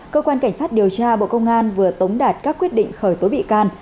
cơ quan cảnh sát điều tra bộ công an vừa tống đạt các quyết định khởi tố bị can